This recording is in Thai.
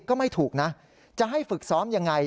ก็ไม่ถูกนะจะให้ฝึกซ้อมยังไง